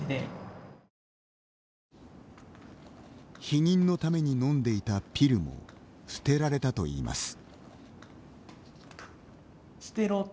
避妊のために飲んでいたピルも捨てられたといいます。